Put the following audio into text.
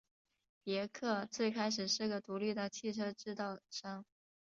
别克最开始是个独立的汽车制造商。